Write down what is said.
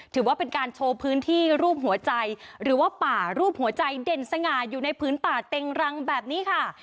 ถือว่าเป็นการโชว์พื้นที่รูปหัวใจหรือว่าป่ารูปหัวใจเด่นสง่าอยู่ในพื้นป่าเต็งรังแบบนี้ค่ะ